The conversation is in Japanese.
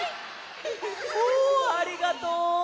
おありがとう！